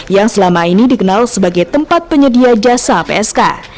yang selama ini dikenal sebagai tempat penyedia jasa psk